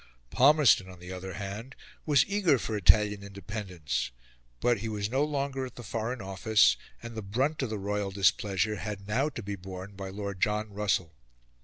Palmerston, on the other hand, was eager for Italian independence; but he was no longer at the Foreign Office, and the brunt of the royal displeasure had now to be borne by Lord John Russell.